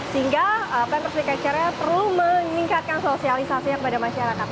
sehingga perpikirannya perlu meningkatkan sosialisasi kepada masyarakat